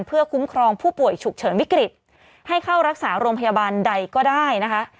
เพื่อคุ้มครองผู้ป่วยฉุกเฉินวิกฤตให้เข้ารักษาโรงพยาบาลใดก็ได้นะคะ